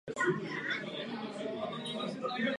Dunaj představuje v Evropě největší zásobárnu pitné vody.